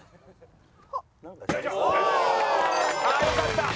あよかった！